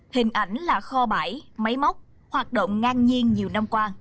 hình ảnh là kho bãi máy móc hoạt động ngang nhiên nhiều năm qua